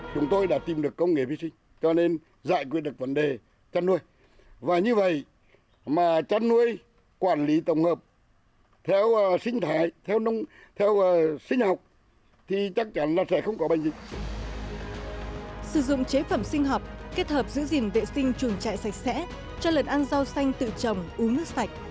sử dụng chế phẩm sinh học kết hợp giữ gìn vệ sinh chuồng trại sạch sẽ cho lần ăn rau xanh tự trồng uống nước sạch